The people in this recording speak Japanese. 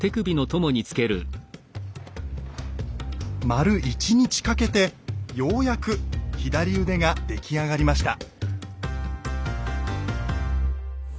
丸１日かけてようやく左腕が出来上がりました。